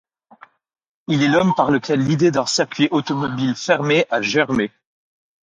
Il est l'homme par lequel l'idée d'un circuit automobile fermé a germé.